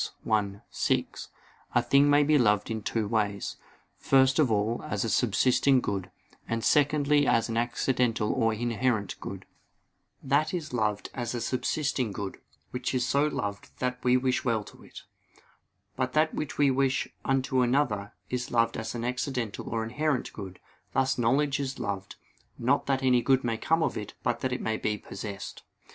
_ i, 6, a thing may be loved in two ways; first of all as a subsisting good; and secondly as an accidental or inherent good. That is loved as a subsisting good, which is so loved that we wish well to it. But that which we wish unto another, is loved as an accidental or inherent good: thus knowledge is loved, not that any good may come to it but that it may be possessed.